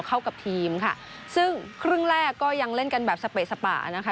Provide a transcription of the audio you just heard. เข้ากับทีมค่ะซึ่งครึ่งแรกก็ยังเล่นกันแบบสเปสปะนะคะ